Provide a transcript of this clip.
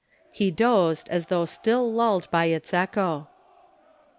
He dozed as though still lulled by its echo.